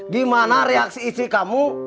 dimana reaksi istri kamu